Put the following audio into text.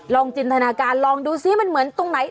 จินตนาการลองดูซิมันเหมือนตรงไหน